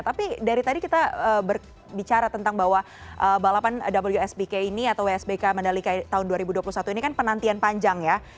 tapi dari tadi kita berbicara tentang bahwa balapan wsbk ini atau wsbk mandalika tahun dua ribu dua puluh satu ini kan penantian panjang ya